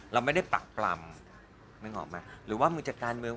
เราไม่ได้ปรักปรำนึกออกไหมหรือว่ามึงจะการเมือง